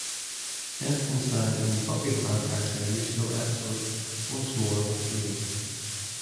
Benson sang in the "Buffy the Vampire Slayer" musical episode "Once More, with Feeling".